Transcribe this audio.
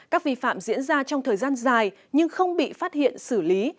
các vi phạm diễn ra trong thời gian dài nhưng không bị phát hiện xử lý